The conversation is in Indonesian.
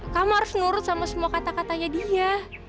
kamu harus nurut sama semua kata katanya dia